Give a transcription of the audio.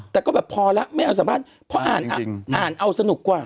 แต่ก็แบบพอละไม่เอาสัมภาพเพราะอ่านเอาสนุกกว่า